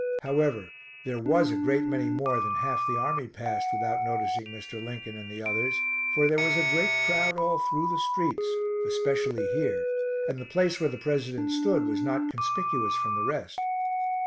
However, there was a great many more than half the army passed without noticing Mr. Lincoln and the others, for there was a great crowd all through the streets, especially here, and the place where the President stood was not conspicuous from the rest.